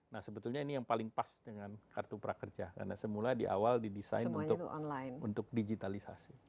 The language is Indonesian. nah sebetulnya ini yang paling pas dengan kartu prakerja karena semula di awal didesain untuk digitalisasi